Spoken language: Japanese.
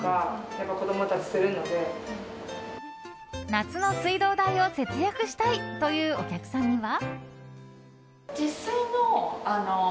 夏の水道代を節約したいというお客さんには。